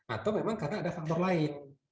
atau memang karena ada faktor lain